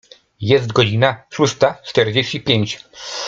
Jest godzina szósta czterdzieści pięć.